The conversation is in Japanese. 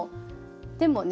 でもね